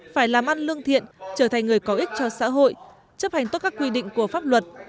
phải làm ăn lương thiện trở thành người có ích cho xã hội chấp hành tốt các quy định của pháp luật